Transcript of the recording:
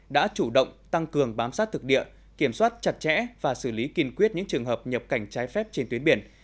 đã chủ động tăng cường bám sát thực địa kiểm soát chặt chẽ và xử lý kiên quyết những trường hợp nhập cảnh trái phép trên tuyến biển